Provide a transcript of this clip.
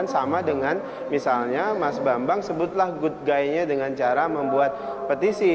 sama dengan misalnya mas bambang sebutlah good guy nya dengan cara membuat petisi